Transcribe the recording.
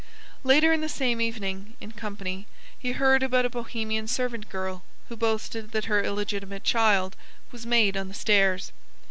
Later in the same evening, in company, he heard about a Bohemian servant girl who boasted that her illegitimate child "was made on the stairs."